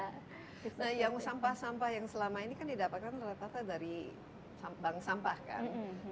nah yang sampah sampah yang selama ini kan didapatkan rata rata dari bank sampah kan